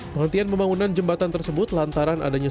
penghentian pembangunan jembatan tersebut lantaran adanya